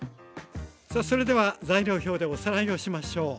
さあそれでは材料表でおさらいをしましょう。